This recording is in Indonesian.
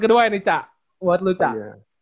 kedua ini cak buat lu cak